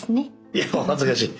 いやお恥ずかしい。